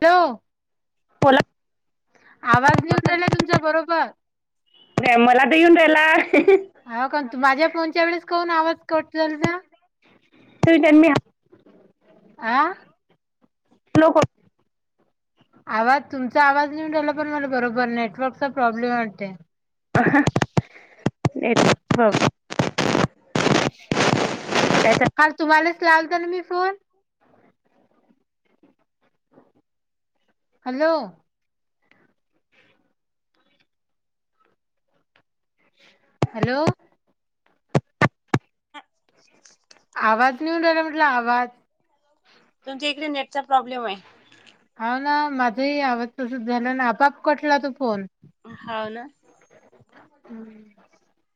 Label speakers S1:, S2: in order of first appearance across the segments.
S1: तो.
S2: पला.
S1: आवाज नाही येऊनही रायला तुमचा बरोबर.
S2: ते मला दे ह रायला.
S1: हो काण तू माझ्या फोनच्या वेळेस काहून आवाज. कठल का
S2: मी
S1: आ. [inaudible]
S2: हलो.
S1: आवाज तुमचा आवाज नाही येऊन रायला पण मला बरोबर नेटवर्कचा प्रॉब्लेम वाटत.
S2: [inaudible]
S1: हा तुम्हालाच लावलतो ना मी फोन. हॅलो. हॅलो.
S2: [inaudible]
S1: आवाज नही येऊन रायला म्हटलं आवाज.
S2: तुमच्या इकडे नेटचा प्रॉब्लेम आहे.
S1: हा ना माझही आवाज तस झाल्या ना आपोआप कटला तो फोन.
S2: हा ना.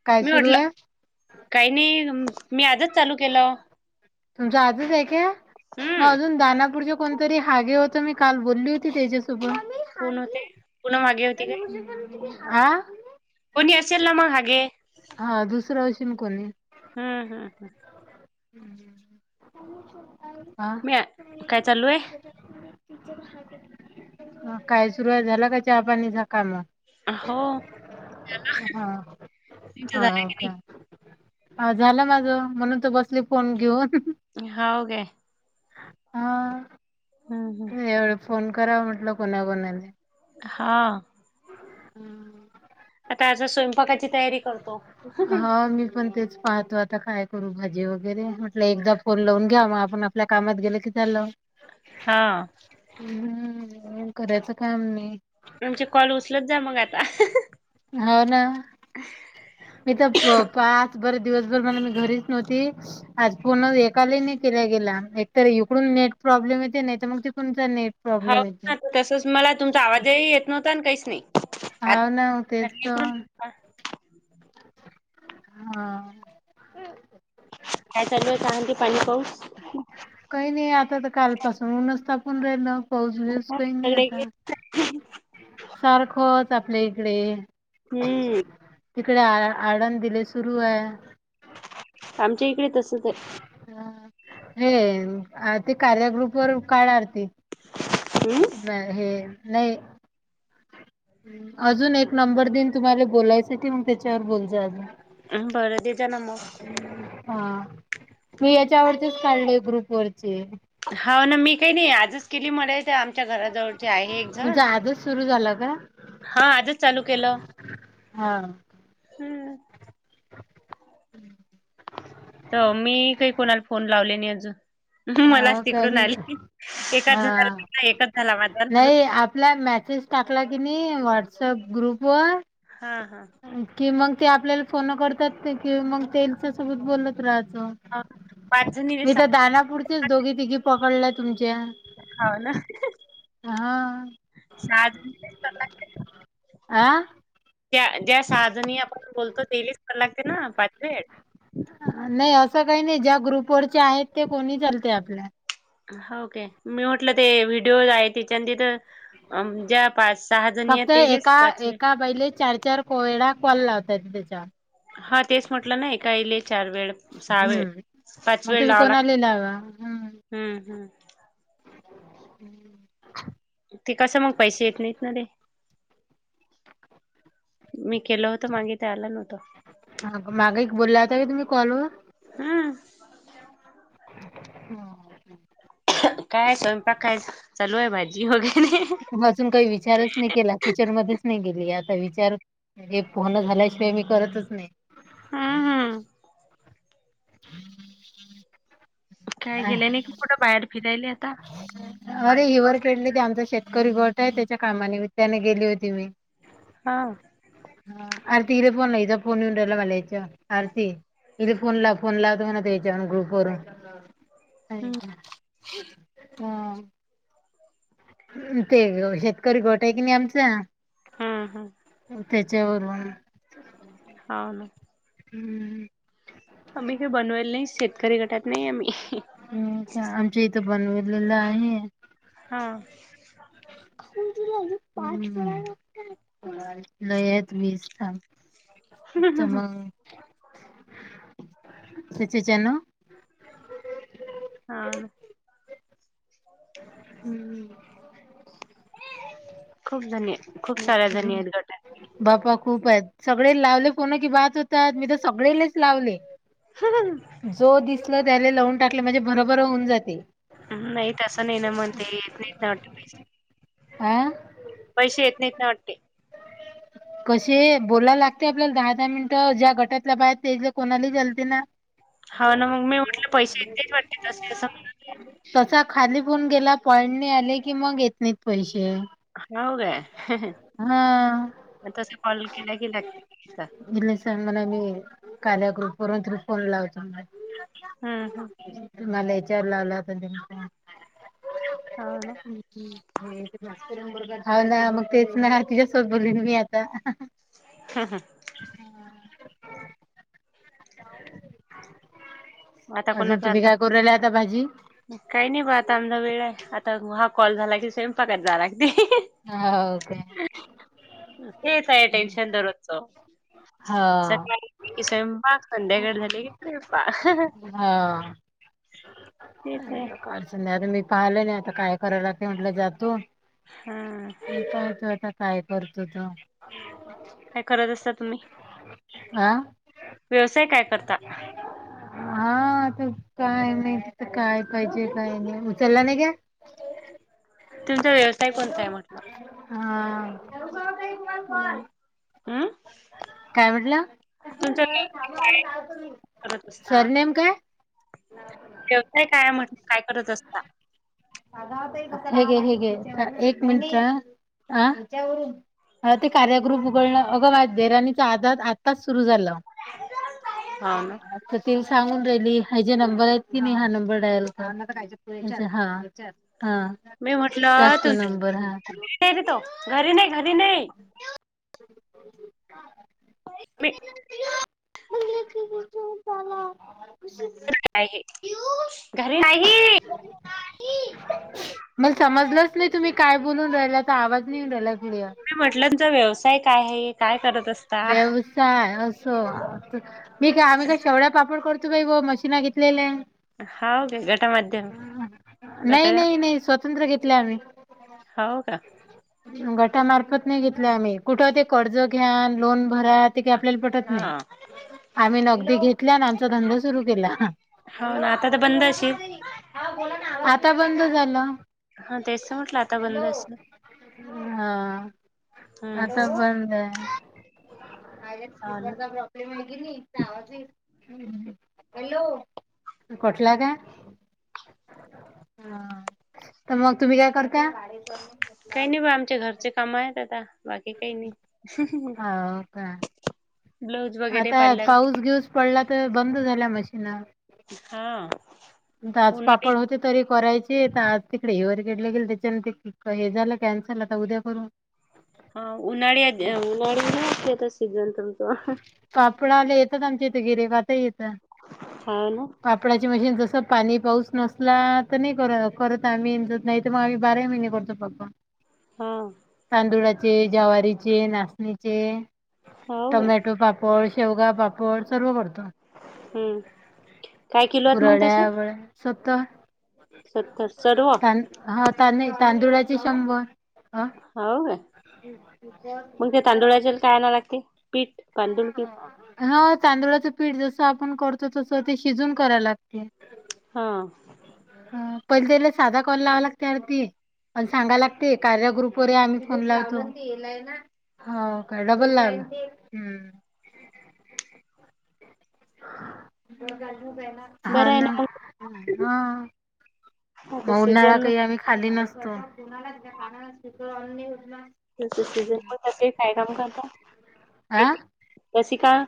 S1: काय
S2: मी
S1: सुरू
S2: म्हटलं काही नाही. मी आजच चालू केलं
S1: तुमच आजीच आहे का मग
S2: हम्म
S1: अजून दानापूरचे कोणते. तरी हागे होत मी काल बोलली होती तेजस.
S2: कोण होते पुन्हा मागे होती काय कोणी असेल ना मग हागे
S1: [unintelligible] हा दुसरं अशीन कोणी.
S2: हुं हुं हुं.
S1: [unintelligible]
S2: मी काय चालू आहे?
S1: काय सुरुवात झाला का चहापाणीचा कामं.
S2: हो
S1: हा
S2: तुमचं
S1: हा
S2: झालं
S1: ओ
S2: की
S1: काे. अ झालं माझं म्हणून तू बसली फोन घेऊन.
S2: हाव गे.
S1: हा.
S2: हुं हुं
S1: एवढं फोन कराव म्हटलं कोणा कोणाले
S2: हा. आता काय आता स्वयंपाकाची तयारी करतो.
S1: हा मी पण तेच पाहतो आता काय करू भाजी वगैरे म्हटलं एकदा फोन लावून घ्या मग आपण आपल्या कामात गेल की झालं.
S2: हा
S1: हुं करायचं काम मी.
S2: आमचे कॉल उचलत जा मग आता.
S1: हो ना मी पाच बरे दिवसभर मला मी घरीच नव्हती आज पन एकाला नाही केल्या गेला. एक तर इकडून नेट प्रॉब्लेम येते, नाही तर मग तीकूनचा नेट.
S2: हो
S1: प्रॉब्लेम येते.
S2: ना तसच मला तुमचा आवाजही येत नव्हता आणि काहीच नाही.
S1: हाव
S2: आता
S1: ना व तेच
S2: इकडून
S1: तर. हा.
S2: काय चालू आहे चहा की पाणी. पाऊस?
S1: काही नाही आता तर कालपासून ऊनच तापून राहिलं. पाऊस बीऊस काही नाही
S2: सगळे
S1: आता सारखंच आपल्या इकडे.
S2: हम्म
S1: तिकडे आळंदीले सुरू आहे.
S2: आमच्या इकडे तसच आहे
S1: हे ते कार्याग्रुपवर काढ आरती
S2: हम्म.
S1: म हे नाही अजून एक नंबर दिन तुम्हाला बोलायसाठी मग त्याच्यावर बोल जा अजून
S2: बरं देजा ना मग
S1: हा मी याच्यावरचेच काढलय ग्रुप वरचे
S2: हाव ना मी काही नाही आजच केली मदत ते आमच्या घराजवळचे आहे एक जण
S1: तुमचा आजच सुरू झाला का?
S2: हा आजच चालू केलं
S1: हा
S2: हम्म तर मी काही कोणाला फोन लावले नाही अजून. ह मलाच
S1: हा कारण
S2: तिकडून आली एकाच झाला
S1: हा.
S2: भेटा एकच झाला आवाजारून
S1: नाही आपला मेसेज टाकला की नाही व्हॉट्सअप ग्रुप वर
S2: हा हा
S1: कि मग ते आपल्याला फोन करतात कि मग तेच्या सोबत बोलत राहते
S2: पाच जणीले
S1: मी तर
S2: सहा
S1: दारा पुुढचेच दोघी तिघी पकडल्या तुमच्या
S2: हाव ना
S1: हा.
S2: साज
S1: आ
S2: त्या ज्या सहाजणी आपण बोलतो तेलीच करावे लागते ना पाच वेड
S1: नाही असं काही नाही ज्या ग्रुपवररचे आहेत ते कोणी चालतय आपल्या
S2: हाव काय मी म्हटलं ते व्हिडिओज आहे तिच्या तथ ज्या पाच सहा जणी आहेत
S1: फक्त
S2: तेलेच
S1: एका
S2: पाच वेळ
S1: एका बाईले चार चार वेळा कॉल लावता येते त्याच्यावर
S2: हा तेच म्हटलं नाही का एकाइले चार वेळ, सहा वेळ,
S1: हम्म
S2: पाच
S1: मग
S2: वेळ
S1: तुम्ही
S2: लावला
S1: कोणाला लावा
S2: हम्म हम्म.
S1: हम्म.
S2: ते कस मग पैसे येत नाहीत ना रे मी. केलं होतं मागे ते आलं नव्हतं
S1: ह माग एक बोलला आता का तुम्ही कॉल व
S2: हम्म.
S1: हा.
S2: कायचो प खायच चलू आहेय भाजी होगे.
S1: अजून काही विचारच नाही केला टिचर मध्येच नाही गेली. विचार हे पूर्ण झाल्याशिवाय मी करतच नाही.
S2: हम्म हम्म काय
S1: हम्म
S2: गेल्या नाही का
S1: हम्.
S2: कुठं बाहेर फिरायले आता
S1: अ अरे हिवर खळली ते आमच शेत. करी गट आहे त्याच्या कामाने मी त्याने गेली होती मी.
S2: हा.
S1: ह आरती इ फोनला इ फोनला मलायच आरती इ फोनला फोन लावतो हो ना त्याच्यावर ग्रुप वरून
S2: हम्म
S1: हम्. ते शेतकरी गोट आहे कि नाही आमच
S2: हम्म हम.
S1: त्याच्यावररून.
S2: होा ना.
S1: हम्म!
S2: आम्ही का बनवायला नाही शेतकरी गटात नाही आम्ही
S1: हम्म का आमच्या इथं बनवलेलं आहे.
S2: हा.
S1: लेत मीच थांान. उतम त्याच्याच्या ना.
S2: हा.
S1: हम्म!
S2: खूप जण खूप साऱ्या जण आहेत गटात
S1: बापा खूप आहेत सगळे लावले फोन की बात होतात मी तर सगळेलेच लावले. जो दिसल त्याला लावून टाकलं म्हणजे बरोभर होऊन जाते.
S2: नाही तसं नाही ना मग ते येत नाहीत नाही वाटत.
S1: हा
S2: पैसे येत नाही इत नाही वाटते.
S1: कसे बोलायला लागते आपल्याला दहा दहा मिनिटं ज्या गटातल्या बाहेर त्या कोणाला चालते ना.
S2: हा ना मग मी म्हटलं पैसे एकच वाटते तसे असं म्ह-
S1: ून गेला पडणे आले की मग येत नाहीत पैसे.
S2: हो का
S1: हा
S2: की लागते.
S1: इले स मना म. काक्रुप वून त्रिफोन लावतो म
S2: हम् हम.
S1: तुम्हाला याच्यावर लावलाता.
S2: हो ना
S1: हो ना मग तेच ना तिच्यासोबत बोलली मी आता.
S2: आता
S1: अजून तुम्ही
S2: कोणाचालता
S1: काय करू राहिले आता भाजी
S2: काही नाही ब आता आमा वेळ आहे आता वा. कॉल झाला की सेम पकत जाला.
S1: ह हो का.
S2: तेच आहे टेन्शन दररोजच.
S1: हा
S2: सकाळी कि स्वयंपाक संध्याकाळी झाली की स्वयंपाक.
S1: हा
S2: तेच आहे
S1: काच. मी पाहिलं नाही आता काय करायला ते म्हटलं जातो.
S2: हा
S1: तो आता काय करतो त.
S2: काय करत असता तुम्ही?
S1: हा.
S2: व्यवसाय काय करता?
S1: हा आता काय नाही काय पाहिजे काय नाही उचलला नाही काय
S2: तुमचा व्यवसाय कोणता आहे पण?
S1: हा.
S2: नाही हम्म
S1: काय म्हटला?
S2: तुमचा व्यवसाय काय करत असता
S1: सरनेम काय?
S2: व्यवसाय काय म्हटलं काय करत असता?
S1: हे घे हे घे एक मिनट ह ह त्या ते कार्यग्रुप उघडण अगं देराणीचा आधार आताच सुरू झाल.
S2: हो ना
S1: [unintelligible] सांगून राहिली ह्याजे नंबर आहेत की नाही हा नंबर डायल कर हां
S2: मी म्हटलं
S1: हा
S2: तुरी तो घरी नाही घरी नाही.
S1: [inaudible]
S2: [inaudible]
S1: [inaudible]
S2: काय आहे. घरी नाही नाही
S1: जलंच नाही तुम्ही काय बोलून राहिला आवाज नाही येऊन राहिला. क्लिअर
S2: तु म्हटलंचा व्यवसाय काय आहे काय करत असता?
S1: हो मी काय आम्ही काय शेवड्या पापड करतो बाई गो मशीना घेतलेल्या
S2: हा गे घट माध्यम घट
S1: संत्र घेतले आम्ही गटामार्फत नाही घेतले आम्ही कुठ ते कर्ज घ्या लोन करा ते काही आपल्याला पटत नाही.
S2: हा
S1: आम्ही नगदी घेतल्या आणि आमचा धंदा सुरू केला. हा
S2: हो ना आता तर बंद अशील
S1: बोला ना आवाज आता बंद झाला
S2: हा तेच तर म्हटलं आता
S1: हॅलो
S2: बंद असलं
S1: हा.
S2: हम् हम्म हा ना
S1: स्पीकरचा प्रॉब्लेम आहे की नाही आवाज आहे. हम्म हॅलो कटला काय? हा तर मग तुम्ही काय करत ता
S2: काही नाही बा आमच्या
S1: [unintelligible]
S2: घरचे काम आहेत आता बाकी काही नाही
S1: हो का
S2: ब्लाऊज वगैरे
S1: आता
S2: पार्लर
S1: पाऊस घेऊस पडला तर बंद झाल्या मशीन
S2: हा उन्हाळी
S1: दाजपापड होते तरी करायचे. ते तर आज तिकडे हे वर गेडलं गेल त्याच्यान ते हे झालं कॅन्सल आता उद्या करु.
S2: हा उन्हाळ्या उन्हाळ नाहीते आता सीजन तुमचं.
S1: पापडाला येतात आमच्या इथे गिराईक आता येत.
S2: हा ना
S1: पापडाची मशीन जस पाणी पाऊस नसला तर नाही कर करत आम्ही जत नाही तर मग आम्ही बारा महिने करतो पापड
S2: हां.
S1: चे जवारीचे, नाचणीचे.
S2: हो काय
S1: टोमॅटो पापड, शेवगा पापड सर्व करतो.
S2: हम्म काय किलो आहेत मग तसे
S1: कुरवड्या. सत्तर
S2: सत्तर सर्व
S1: हा तांद तांदुळाचे शंभर. हा
S2: होय मग ते तांदुळाचे काय आणायला लागते पीठ? तांदूळ की
S1: ह तांदुळाचं पीठ जसं आपण करतो तसं ते शिजून करायला लागतय.
S2: हा
S1: पहिले त्याला साधा कॉल लावायला लागते आरती. पण सांगा लागते, कार्या ग्रुप वर आम्ही फोन लावतो. हो काय? डबल लाईन हम्म [unintelligible] हा,
S2: बरं आहे
S1: ना,
S2: मग
S1: हां
S2: आता
S1: मग उन्हाळा
S2: सीझन
S1: काही आम्ही खाली नसतो.
S2: काय काम करता?
S1: आ
S2: सश काल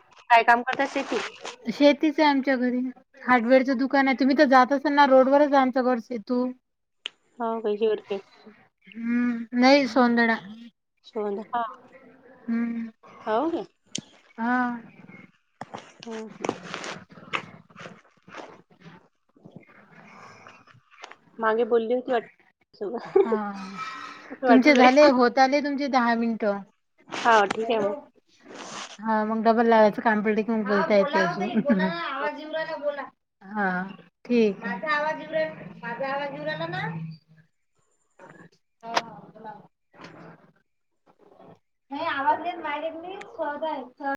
S1: शेतीच आहे आमच्या घरी,, हार्डवेअरचं दुकान आहे. तुम्ही तर जात असाल ना रोड वरच जाचं घडसे तू
S2: हो काही वर काई
S1: हम्म, नाहीय सोंदडा.
S2: सो हा,
S1: हम्
S2: हो का
S1: हा
S2: ह, मागे बोलली होती वाटत.
S1: हा,
S2: वाटू
S1: तुमचे झाले,
S2: राहील
S1: होत आले तुमचे दहा मिनिटं.
S2: हा ठीक आहे मग
S1: हा मग डबल लावायचं, कम्पुटंग म बोलता येत. बोला ना, आवाज इवराला बोला. हा, ठीक, माझा आवाज ईव रायला का? ह ह, बोला, नाही आवाज घन मायर मी स्त [unintelligible] आहे